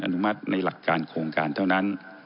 ในหลักการโครงการเท่านั้น